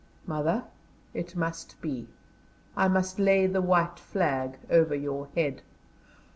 "Mother, it must be, I must lay the white flag over your head."